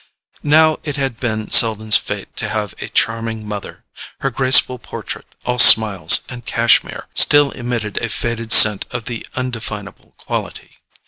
Now it had been Selden's fate to have a charming mother: her graceful portrait, all smiles and Cashmere, still emitted a faded scent of the undefinable quality.